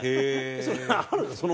それあるの？